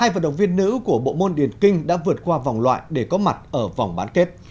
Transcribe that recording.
hai vận động viên nữ của bộ môn điền kinh đã vượt qua vòng loại để có mặt ở vòng bán kết